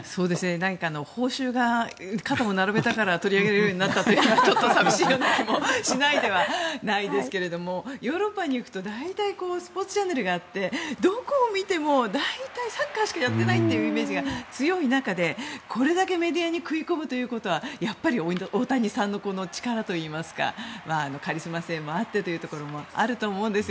何か報酬が肩を並べたから取り上げられるようになったというちょっと寂しい気がしないでもないですがヨーロッパに行くと大体スポーツチャンネルがあってどこを見ても大体サッカーしかやってないというイメージが強い中でこれだけメディアに食い込むということはやっぱり大谷さんの力といいますかカリスマ性もあってというところもあると思うんです。